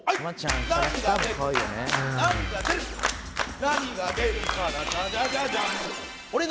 「何が出るかな？